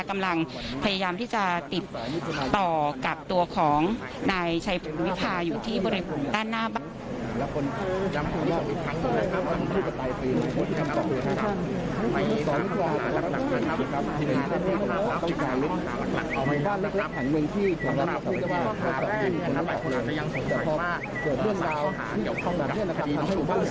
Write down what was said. กำลังพยายามที่จะติดต่อกับตัวของนายชัยพลวิพาอยู่ที่บริเวณด้านหน้าบ้าน